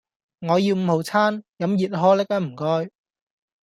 我要五號餐,飲熱可力呀唔該